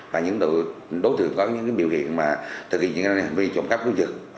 và những đối tượng có những biểu hiện thực hiện những hành vi